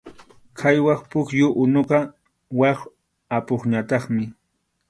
Qhaywaq pukyu unuqa wak apupñataqmi.